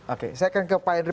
oke saya akan ke pak henry